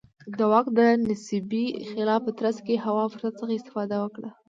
د واک د نسبي خلا په ترڅ کې هوا فرصت څخه استفاده وکړه.